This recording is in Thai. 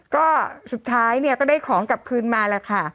ก็สุดท้ายเนี่ยก็ได้ของกลับคืนมาแล้วค่ะ